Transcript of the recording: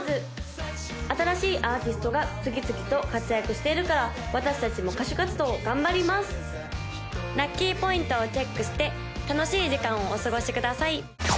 新しいアーティストが次々と活躍しているから私達も歌手活動を頑張ります・ラッキーポイントをチェックして楽しい時間をお過ごしください！